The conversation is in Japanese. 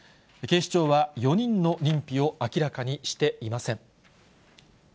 警視庁は４人の認否を明らかにしていません。